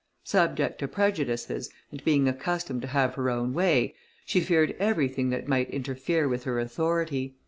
Subject to prejudices, and being accustomed to have her own way, she feared everything that might interfere with her authority.